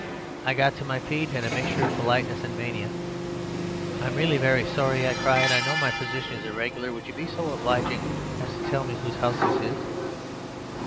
"I got to my feet in a mixture of politeness and mania. 'I'm really very sorry,' I cried. 'I know my position is irregular. Would you be so obliging as to tell me whose house this is?